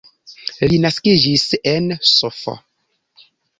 Li naskiĝis en Sf.